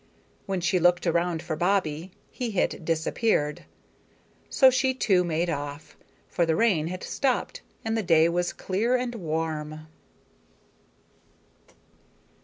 When she looked around for Bobbie he had disappeared. So she too made off; for the rain had stopped and the day was clear and warm.